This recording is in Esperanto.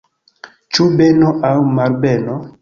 Ĉu beno aŭ malbeno?